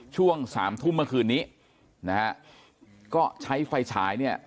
ช่วงสามทุ่มเมื่อคืนนี้นะฮะก็ใช้ไฟฉายเนี่ย